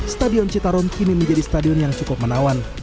stadion citarum kini menjadi stadion yang cukup menawan